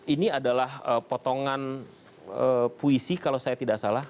ini adalah potongan puisi kalau saya tidak salah